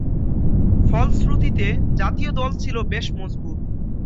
ফলশ্রুতিতে জাতীয় দল ছিল বেশ মজবুত।